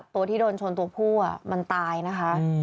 ตัวที่โดนชนตัวผู้มันตายนะคะ